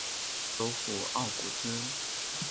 首府奥古兹。